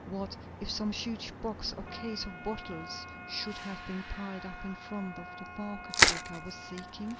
What if some huge box or case of bottles should have been piled up in front of the marked brick I was seeking?